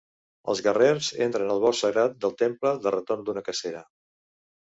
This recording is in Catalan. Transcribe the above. Els guerrers entren al bosc sagrat del Temple de retorn d'una cacera.